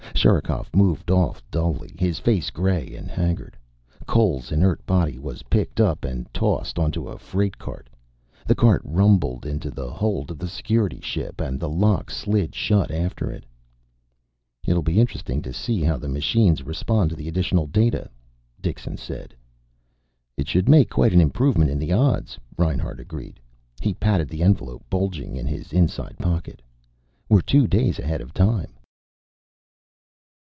Sherikov moved off dully, his face gray and haggard. Cole's inert body was picked up and tossed onto a freight cart. The cart rumbled into the hold of the Security ship and the lock slid shut after it. "It'll be interesting to see how the machines respond to the additional data," Dixon said. "It should make quite an improvement in the odds," Reinhart agreed. He patted the envelope, bulging in his inside pocket. "We're two days ahead of time."